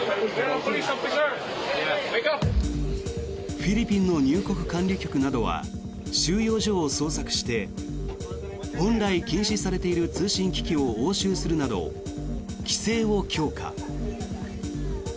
フィリピンの入国管理局などは収容所を捜索して本来禁止されている通信機器を押収するなど規制を強化。